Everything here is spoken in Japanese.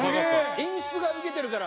演出がウケてるから。